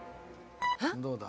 どうだ？